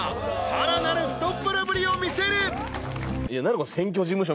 ［さらなる太っ腹ぶりを見せる］